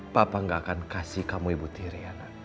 papa enggak akan kasih kamu ibu tiri